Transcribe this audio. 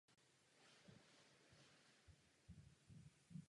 Je zmiňován jako český konzervativní poslanec.